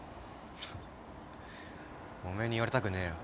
フッおめえに言われたくねえよ。